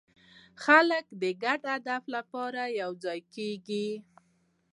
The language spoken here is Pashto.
خلک د ګډ هدف لپاره یوځای کېږي.